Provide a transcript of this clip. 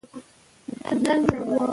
امن چاپېریال ذهني ارامتیا رامنځته کوي.